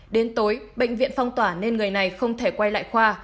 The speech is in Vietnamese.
đến tối bệnh viện phong tỏa nên người này không thể quay lại khoa